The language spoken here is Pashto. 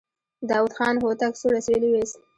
داوود خان هوتک سوړ اسويلی وايست.